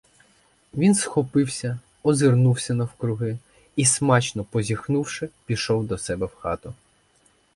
Він схопився, озирнувся навкруги і, смачно позіхнувши, пішов до себе в хату.